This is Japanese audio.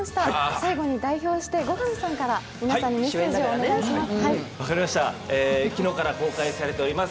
最後に代表して後上さんから皆さんにメッセージをお願いします。